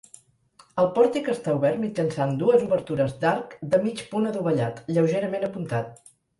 El pòrtic està obert mitjançant dues obertures d'arc de mig punt adovellat, lleugerament apuntat.